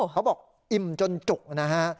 เขาบอกอิ่มจนจุกนะฮะ